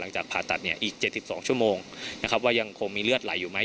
๒ชั่วโมงนะครับว่ายังคงมีเลือดไหลอยู่ไหม